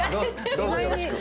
どうぞよろしく。